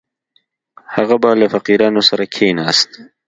هغه به له فقیرانو سره کښېناست.